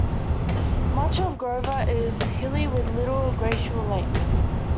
Much of Grover is hilly with little glacial lakes.